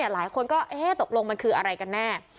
หลายคนก็ตกลงมันคืออะไรกันแน่